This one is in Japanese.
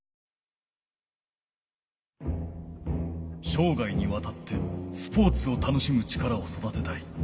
しょうがいにわたってスポーツを楽しむ力を育てたい。